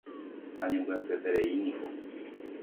Añembyasyetereíniko.